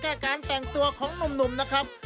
การแต่งตัวของหนุ่มนะครับ